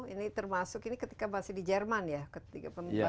ini termasuk ketika masih di jerman ya